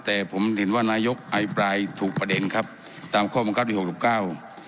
แต่ผมเห็นว่านายกอภิปรายถูกประเด็นครับตามข้อบังคับที่หกหกเก้า